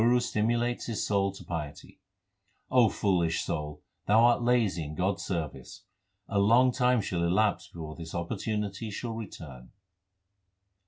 The Guru stimulates his soul to piety : foolish soul, thou art lazy in God s service ; A long time shall elapse before this opportunity shall return.